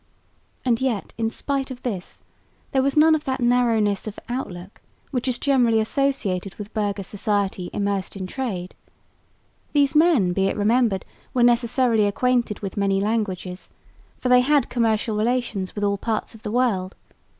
And yet, in spite of this, there was none of that narrowness of outlook, which is generally associated with burgher society immersed in trade. These men, be it remembered, were necessarily acquainted with many languages, for they had commercial relations with all parts of the world.